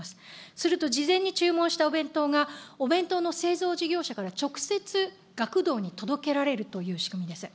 すると事前に注文したお弁当が、お弁当の製造事業者から直接、学童に届けられるという仕組みです。